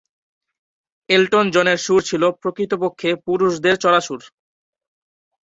Elton জনের সুর ছিল প্রকৃতপক্ষে পুরুষদের চড়া সুর।